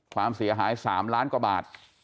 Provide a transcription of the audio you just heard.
ความเสียหาย๓ล้านกว่าบาท